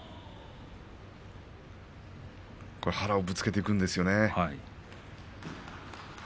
腹をぶつけていくんですよね。